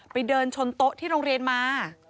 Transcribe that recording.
ไปเดินชนโต๊ะที่โรงเรียนมา